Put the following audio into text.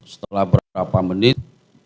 setelah berapa menit